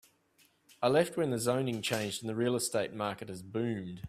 I left when the zoning changed and the real estate market has boomed.